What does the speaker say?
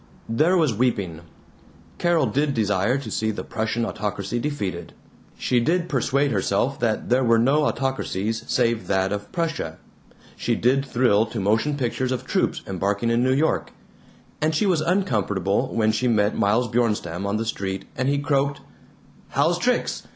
There was weeping. Carol did desire to see the Prussian autocracy defeated; she did persuade herself that there were no autocracies save that of Prussia; she did thrill to motion pictures of troops embarking in New York; and she was uncomfortable when she met Miles Bjornstam on the street and he croaked: "How's tricks?